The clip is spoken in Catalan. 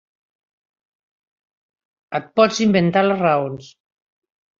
Et pots inventar les raons.